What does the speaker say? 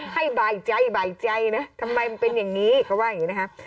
ให้บ่ายใจบ่ายใจนะทำไมมันเป็นอย่างนี้เขาว่าอย่างนี้นะคะ